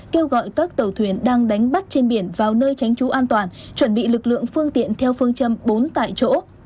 kêu gọi các tàu thuyền đang đánh bắt trên biển vào nơi tránh trú an toàn chuẩn bị lực lượng phương tiện theo phương châm bốn tại chỗ